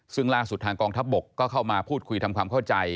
ซึ่งล่าสุดทางกองทัพบกก็เข้ามาพูดคุยทำความเข้าใจ